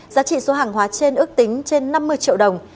giá trị số hàng hóa trên ước tính trên năm mươi triệu đồng